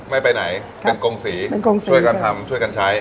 ไม่ไปไหนเป็นกงศรีช่วยกันทำช่วยกันใช้